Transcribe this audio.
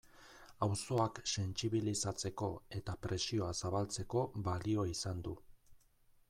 Auzoak sentsibilizatzeko eta presioa zabaltzeko balio izan du.